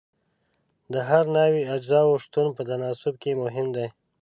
د هر ناول اجزاو شتون په تناسب کې مهم دی.